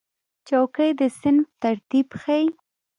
چوکۍ د صنف ترتیب ښیي.